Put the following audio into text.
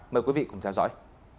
mời quý vị cùng theo dõi